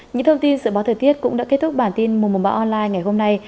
những thông tin dự báo thời tiết cũng đã kết thúc bản tin mùa mùa bão online ngày hôm nay